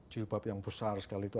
jilbab yang besar sekali itu